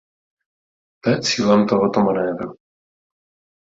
To je cílem tohoto manévru.